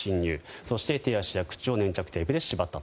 そして手足や口を粘着テープで縛ったと。